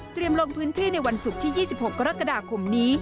ลงพื้นที่ในวันศุกร์ที่๒๖กรกฎาคมนี้